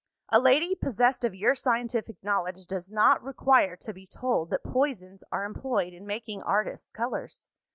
"A lady, possessed of your scientific knowledge, does not require to be told that poisons are employed in making artists' colours.